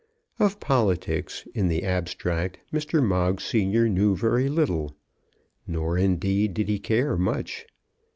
Of politics in the abstract Mr. Moggs senior knew very little. Nor, indeed, did he care much.